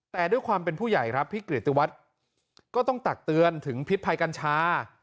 แต่ด้วยความเป็นผู้ใหญ่ครับพี่กริติวัตรก็ต้องตักเตือนถึงพิษภัยกัญชา